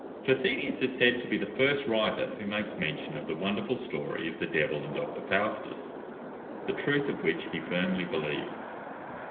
Trithemius is said to be the first writer who makes mention of the wonderful story of the devil and Dr. Faustus, the truth of which he firmly believed.